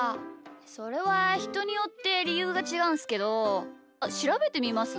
それはひとによってりゆうがちがうんすけどあしらべてみます？